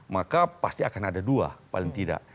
maka pasti akan ada dua paling tidak